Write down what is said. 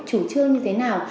chủ trương như thế nào